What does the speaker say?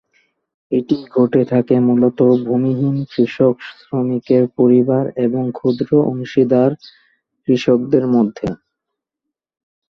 এটি ঘটে থাকে মূলত ভূমিহীন কৃষক শ্রমিকের পরিবার এবং ক্ষুদ্র অংশীদার কৃষকদের মধ্যে।